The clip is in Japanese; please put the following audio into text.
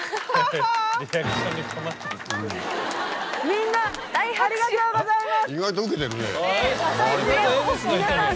みんなありがとうございます。